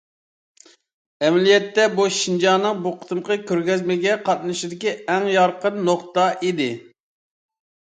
ئەمەلىيەتتە، بۇ شىنجاڭنىڭ بۇ قېتىمقى كۆرگەزمىگە قاتنىشىشىدىكى ئەڭ يارقىن نۇقتا ئىدى.